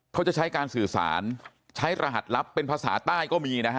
เขาจะใช้การสื่อสารใช้รหัสลับเป็นภาษาใต้ก็มีนะฮะ